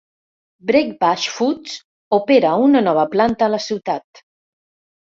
Brakebush Foods opera una nova planta a la ciutat.